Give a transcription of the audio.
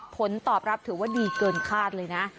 ผลตอบรับถือว่าดีเกินคาดเลยนะ